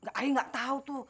saya nggak tahu tuh